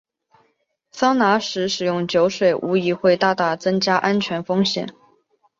桑拿时食用酒水无疑会大大增加安全风险。